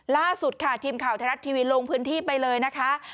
ล่าสุดค่ะทีมข่าวไทยรัฐทีวีลงพื้นที่ไปเลยนะคะ